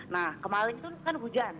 nah kemarin itu kan hujan